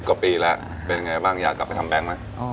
กว่าปีแล้วเป็นยังไงบ้างอยากกลับไปทำแบงค์ไหม